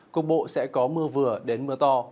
cục bộ sẽ có mưa vừa đến mưa to